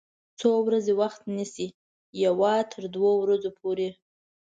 څو ورځې وخت نیسي؟ یوه تر دوه ورځو پوری